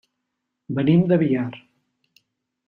Venim de Biar.